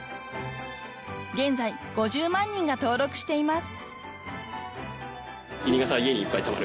［現在５０万人が登録しています］